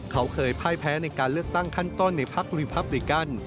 เขาเคยพ่ายแพ้ในการเลือกตั้งขั้นต้นในพักรีพับริกัน